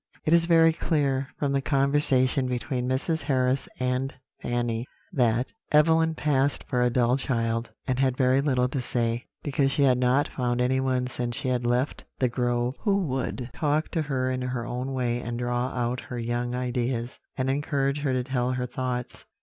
"It is very clear, from the conversation between Mrs. Harris and Fanny, that Evelyn passed for a dull child, and had very little to say, because she had not found anyone since she had left The Grove who would talk to her in her own way and draw out her young ideas, and encourage her to tell her thoughts.